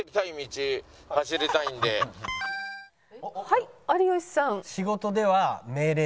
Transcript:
はい有吉さん。